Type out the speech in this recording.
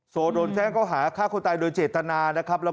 โสโดรแพ้งเขาหาฆ่าคนตายโดยเจตนา